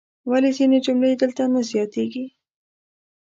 ولې ځینې جملې دلته نه زیاتیږي؟